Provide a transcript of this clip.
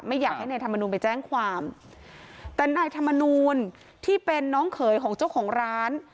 อยากให้นายธรรมนูลไปแจ้งความแต่นายธรรมนูลที่เป็นน้องเขยของเจ้าของร้าน